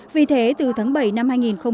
vì thế từ tháng bảy năm hai nghìn một mươi tám